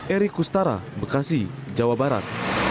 eri kustara bekasi jawa barat